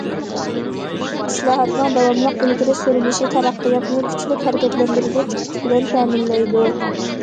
ئىسلاھاتنىڭ داۋاملىق ئىلگىرى سۈرۈلۈشى تەرەققىياتنى كۈچلۈك ھەرىكەتلەندۈرگۈچ كۈچ بىلەن تەمىنلەيدۇ.